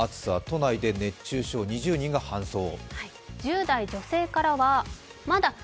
都内で熱中症２０人が搬送。